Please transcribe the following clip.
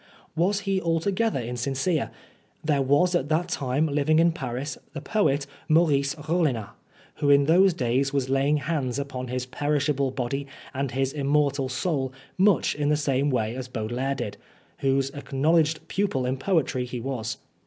Was he al together insincere ? There was at that time living in Paris the poet Maurice Rollinat, who in those days was laying hands upon his perishable body and his immortal soul much in the same way as Baudelaire did, whose acknowledged pupil in poetry he was.